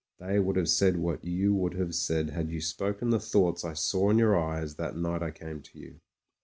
They would have said what you would have said had you spoken the thoughts I saw in your eyes that night I came to you.